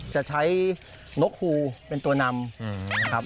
จะใช้นกฮูเป็นตัวนำนะครับ